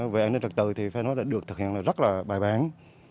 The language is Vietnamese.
về an ninh trật tự thì phải nói là được thực hiện rất là bài bản